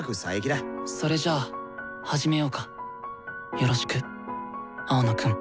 よろしく青野くん。